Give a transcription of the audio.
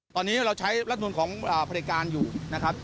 ตอนนี้เราใช้รัฐนุนของบริการอยู่นะครับ